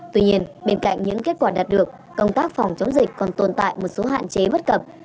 tuy nhiên bên cạnh những kết quả đạt được công tác phòng chống dịch còn tồn tại một số hạn chế bất cập